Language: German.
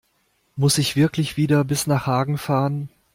Muss ich wirklich wieder bis nach Hagen fahren?